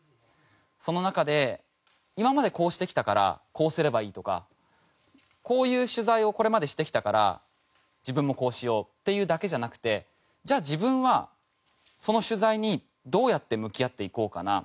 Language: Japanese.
その中で今までこうしてきたからこうすればいいとかこういう取材をこれまでしてきたから自分もこうしようっていうだけじゃなくてじゃあ自分はその取材にどうやって向き合っていこうかな